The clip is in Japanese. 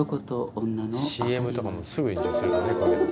ＣＭとかもすぐ炎上するからね。